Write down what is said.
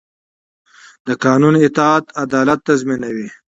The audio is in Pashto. د قانون اطاعت عدالت تضمینوي